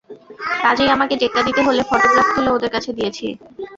কাজেই আমাকে টেক্কা দিতে হল, ফোটোগ্রাফ তুলে ওদের কাছে দিয়েছি।